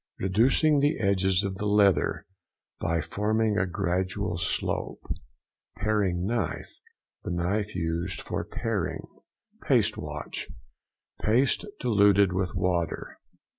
—Reducing the edges of the leather by forming a gradual slope. PARING KNIFE.—The knife used for paring. PASTE WASH.—Paste diluted with water.